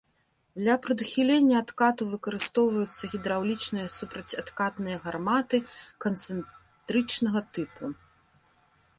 Для прадухілення адкату выкарыстоўваюцца гідраўлічныя супрацьадкатныя гарматы канцэнтрычнага тыпу.